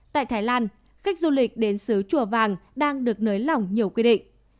tại thái lan khách du lịch đến xứ chùa vàng đang được nới lỏng nhiều quy định